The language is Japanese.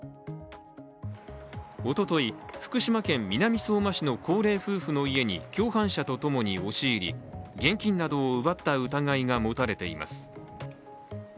おととい、福島県南相馬市の高齢夫婦の家に共犯者と共に押し入り、現金などを奪った疑いが持たれています。